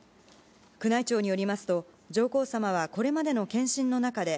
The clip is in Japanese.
宮内庁によりますと、上皇さまはこれまでの検診の中で、